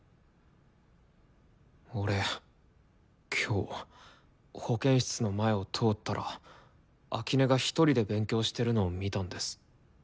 俺今日保健室の前を通ったら秋音がひとりで勉強してるのを見たんです。